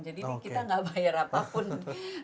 jadi kita nggak bayar apapun dokternya baik malekatnya tias nih